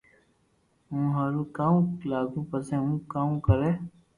ھون ٿاري ڪاوُ لاگو پسي ھون ڪاو ڪري